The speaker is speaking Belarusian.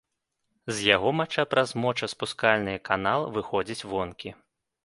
З яго мача праз мочаспускальны канал выходзіць вонкі.